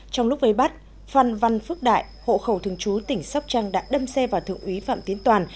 trong lúc vây bắt phan văn phước đại hộ khẩu thường chú tỉnh sóc trăng đã đâm xe vào thượng úy phạm tiến toàn